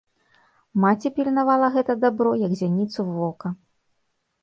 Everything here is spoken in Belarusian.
Маці пільнавала гэта дабро, як зяніцу вока.